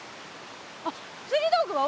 あっつり道具は？